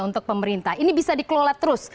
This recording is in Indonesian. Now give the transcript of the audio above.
untuk pemerintah ini bisa dikelola terus